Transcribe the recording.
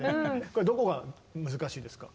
これどこが難しいですか？